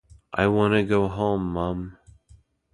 I wanna go home mum.